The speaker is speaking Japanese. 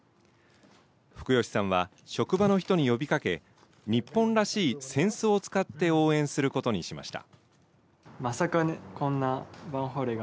福吉さんは職場の人に呼びかけ、日本らしい扇子を使って応援することにしました。